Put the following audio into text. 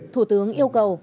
thủ tướng yêu cầu